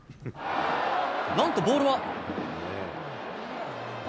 なんとボールは。